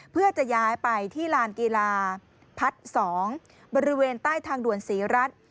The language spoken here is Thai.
เพื่อจะย้ายไปที่ลานกีฬาพัด๒บริเวณใต้ทางด่วนศรีรัฐ